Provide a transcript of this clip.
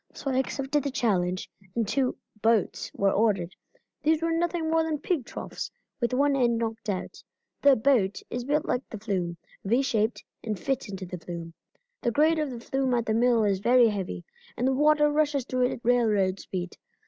So I accepted the challenge, and two 'boats' were ordered. These were nothing more than pig troughs, with one end knocked out. The 'boat' is built like the flume, V shaped, and fits into the flume. The grade of the flume at the mill is very heavy, and the water rushes through it at railroad speed.